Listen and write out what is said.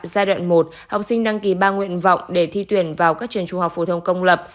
giai đoạn một học sinh đăng ký ba nguyện vọng để thi tuyển vào các trường trung học phổ thông công lập